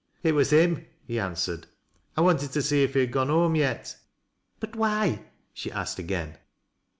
" It was Aim," he answered. " I wanted to see if he had gone home yet." " But why ?" she asked again.